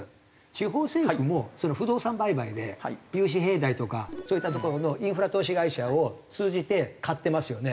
地方政府も不動産売買で融資平台とかそういったところのインフラ投資会社を通じて買ってますよね。